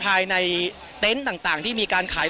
ภายในเต็นต์ต่างที่มีการขาย